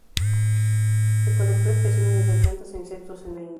Recolectó especímenes de plantas e insectos en la India.